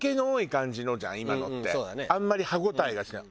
あんまり歯応えがしない。